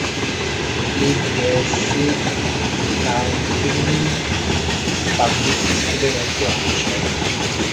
এটি Davis County public স্কুলের একটি অংশ।